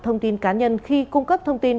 thông tin cá nhân khi cung cấp thông tin